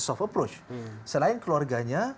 soft approach selain keluarganya